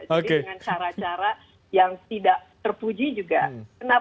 jadi dengan cara cara yang tidak terpuji juga